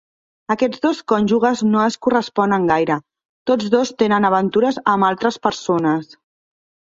Aquests dos cònjuges no es corresponen gaire: tots dos tenen aventures amb altres persones.